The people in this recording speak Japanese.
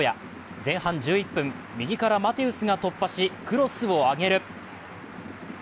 前半１１分、右からマテウスが突破し、クロスを上げる。